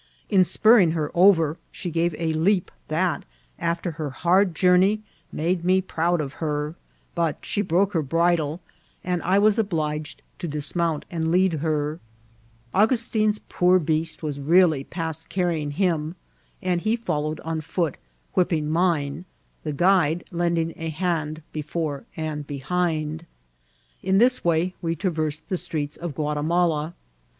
In q>urring her over one, she gave a leap that, after her hard jour ney, made me proud of her ; but she broke her bridlci ■ KTET IHTO TH» CITY. l«l and I was obliged to dismount and lead her. Angus* tin's poor beast was really past carrying him, and he followed on foot, whipping mine, the guide lending a hand before and behind. In this way we traversed the streets of Ouatimala.